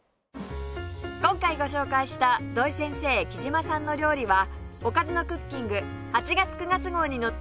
今回ご紹介した土井先生きじまさんの料理は『おかずのクッキング』８月９月号に載っています